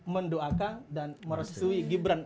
mendoakan dan meresui gibran